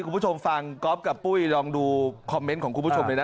คุณผู้ชมฟังก๊อฟกับปุ้ยลองดูคอมเมนต์ของคุณผู้ชมเลยนะ